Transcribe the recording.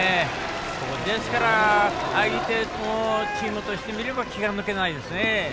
ですから相手のチームとしてみれば気が抜けないですね。